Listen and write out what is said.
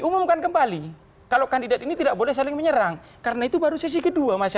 umumkan kembali kalau kandidat ini tidak boleh saling menyerang karena itu baru sesi kedua masa